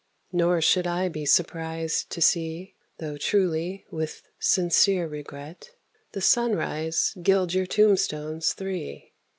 Nor should I be surprised to see Though, truly, with sincere regret The sunrise gild your tombstones three."